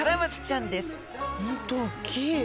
本当大きい！